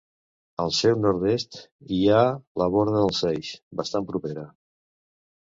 Al seu nord-est hi ha la Borda del Seix, bastant propera.